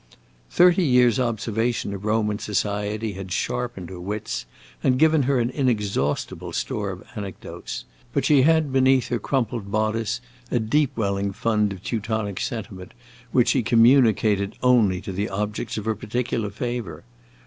Thirty years' observation of Roman society had sharpened her wits and given her an inexhaustible store of anecdotes, but she had beneath her crumpled bodice a deep welling fund of Teutonic sentiment, which she communicated only to the objects of her particular favor.